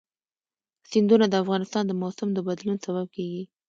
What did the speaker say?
سیندونه د افغانستان د موسم د بدلون سبب کېږي.